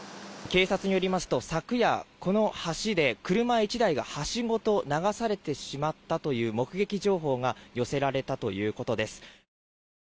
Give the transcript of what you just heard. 警察によりますと、昨夜この橋で車１台が橋ごと流されてしまったという目撃情報が寄せられたということです。